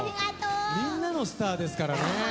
みんなのスターですからね。